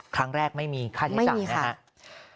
ครั้งแรกไม่มีค่าใช้จ่าย